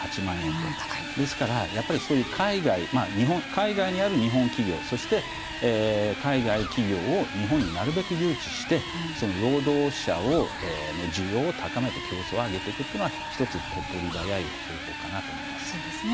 ですからやっぱりそういう海外にある日本企業そして海外企業を日本になるべく誘致して労働者の需要を高めて競争を上げていくというのは一つ手っ取り早い方法かなと思います。